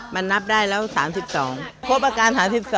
มันนับได้แล้ว๓๒ครบอาการ๓๒